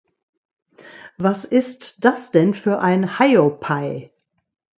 Was ist das denn für ein Heiopei.